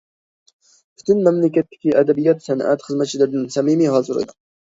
پۈتۈن مەملىكەتتىكى ئەدەبىيات- سەنئەت خىزمەتچىلىرىدىن سەمىمىي ھال سورايمەن!